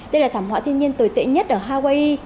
đây là thảm họa thiên nhiên tồi tệ nhất ở hawaii